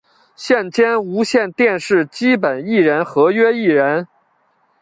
现兼无线电视基本艺人合约艺人。